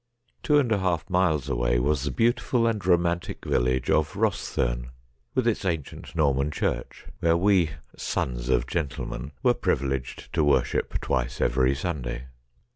Two and a half miles away was the beautiful and romantic village of Kostherne, with its ancient Norman church, where we ' sons of gentlemen ' were privileged to worship twice every Sunday.